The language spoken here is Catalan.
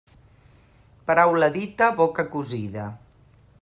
Paraula dita, boca cosida.